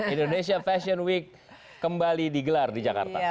indonesia fashion week kembali digelar di jakarta